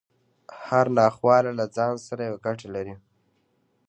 هره ناخواله له ځان سره يوه ګټه لري.